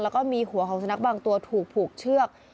แล้วก็มีหัวของสุนัขบางตัวถูกผูกเชือก